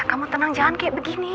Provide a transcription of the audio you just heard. kamu tenang jangan kayak begini